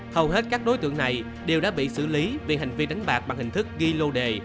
hầu hết các đối tượng này đều đã bị xử lý vì hành vi đánh bạc bằng hình thức ghi lô đề